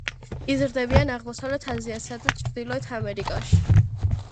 იზრდებიან აღმოსავლეთ აზიასა და ჩრდილოეთ ამერიკაში.